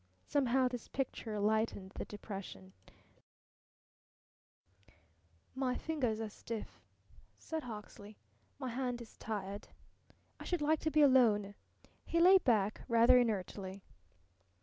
Somehow this picture lightened the depression. "My fingers are stiff," said Hawksley. "My hand is tired. I should like to be alone." He lay back rather inertly.